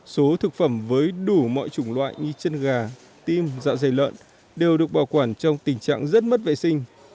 số thực phẩm với đủ mọi chủng loại như chân gà tim dạ dày lợn đều được bảo quản trong tình trạng rất mất vệ sinh